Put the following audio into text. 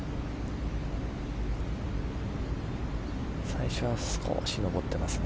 最初は少し上ってます。